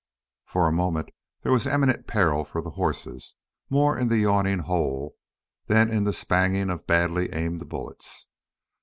For a moment there was imminent peril for the horses, more in the yawning hole than in the spanging of badly aimed bullets.